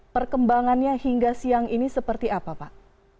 perkembangannya hingga siang ini seperti apa pak